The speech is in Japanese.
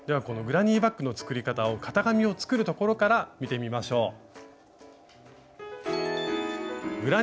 このグラニーバッグの作り方を型紙を作るところから見てみましょう。